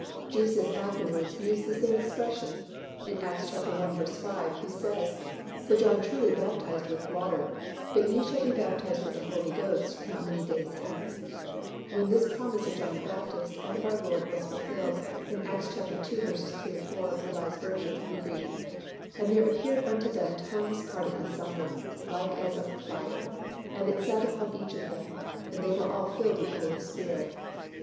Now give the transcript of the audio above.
Jesus afterwards used the same expression. In Acts i. 5, He says, "For John truly baptized with water; but ye shall be baptized with the Holy Ghost not many days hence." When this promise of John the Baptist and of our Lord was fulfilled in Acts ii. 3, 4, R. V., we read, "And there appeared unto them tongues parting asunder, like as of fire; and it sat upon each one of them. And they were all filled with the Holy Spirit."